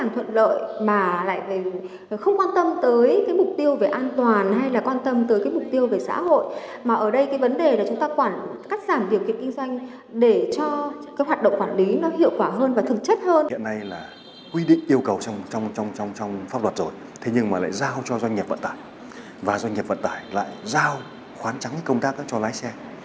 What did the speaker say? thế nhưng mà lại giao cho doanh nghiệp vận tải và doanh nghiệp vận tải lại giao khoán trắng công tác cho lấy xe